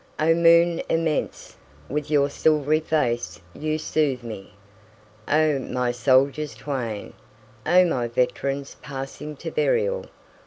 O moon immense, with your silvery face you soothe me!O my soldiers twain! O my veterans, passing to burial!